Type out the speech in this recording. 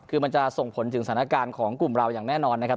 คือมันจะส่งผลถึงสถานการณ์ของกลุ่มเราอย่างแน่นอนนะครับ